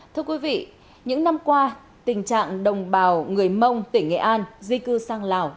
thưa quý vị những năm qua tình trạng đồng bào người mông tỉnh nghệ an di cư sang lào